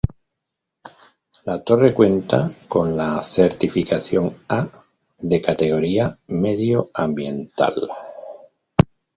La Torre cuenta con la certificación A de categoría medioambiental.